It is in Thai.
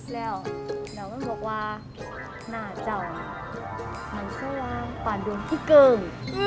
แล้วมันบอกว่าหน้าเจ้ามันก็ว่ากว่าป่านดวงที่เกิม